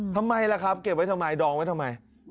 ทำไมล่ะครับเก็บไว้ทำไมดองไว้ทำไม